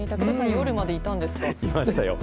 武田さん、夜までいたんですか。